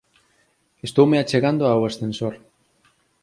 Estoume achegando ao ascensor.